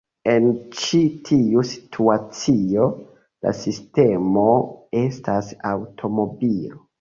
En ĉi tiu situacio, la sistemo estas aŭtomobilo.